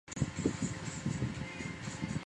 华西茶藨子为虎耳草科茶藨子属下的一个种。